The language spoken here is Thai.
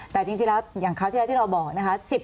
แต่จริงแล้วอย่างคราวที่แล้วที่เราบอกนะคะ